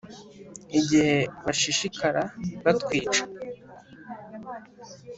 Igihe bashishikara batwica